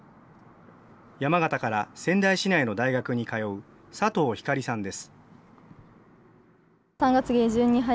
山形から仙台市内の大学に通う佐藤飛花里さんです。